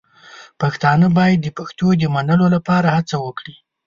پښتانه باید د پښتو د منلو لپاره هڅه وکړي.